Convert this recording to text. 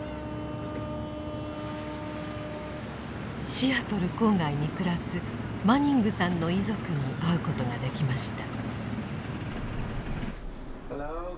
シアトル郊外に暮らすマニングさんの遺族に会うことができました。